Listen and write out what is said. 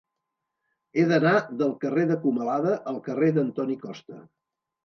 He d'anar del carrer de Comalada al carrer d'Antoni Costa.